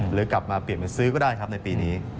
หรือกลับมาเปลี่ยนไปซื้อก็ได้ครับในปีนี้